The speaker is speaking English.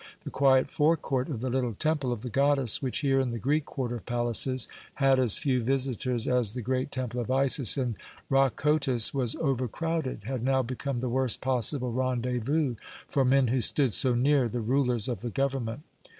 The quiet fore court of the little temple of the goddess, which here, in the Greek quarter of palaces, had as few visitors as the great Temple of Isis in the Rhakotis was overcrowded, had now become the worst possible rendezvous for men who stood so near the rulers of the government.